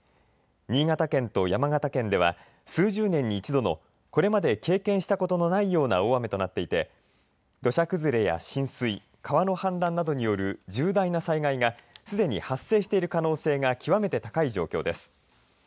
新潟県と山形県では数十年に一度のこれまで経験したことのないような大雨となっていて土砂崩れや浸水川の氾濫などによる重大な災害がすでに発生している可能性が極めて高い状況です。